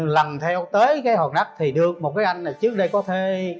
lần theo tới cái hòn đất thì được một cái anh này trước đây có thể